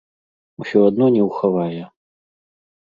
Усё адно не ўхавае.